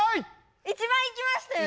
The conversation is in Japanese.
一番いきましたよね？